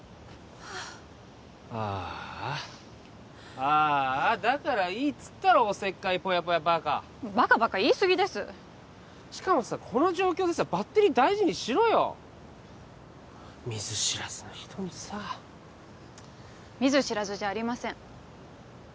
ああああだからいいっつったろおせっかいぽやぽやバカバカバカ言い過ぎですしかもさこの状況でさバッテリー大事にしろよ見ず知らずの人にさ見ず知らずじゃありません